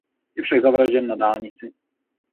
Je však zavražděn na dálnici.